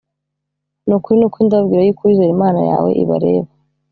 Ni ukuri ni ukuri ndababwira yuko uwizera imana yawe ibareba